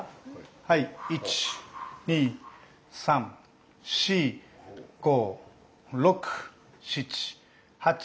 はい１２３４５６７８９１０。